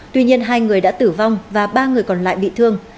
tuy nhiên hai người đã tử vong và ba người còn lại bị thương